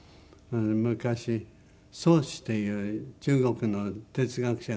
昔荘子という中国の哲学者がいてね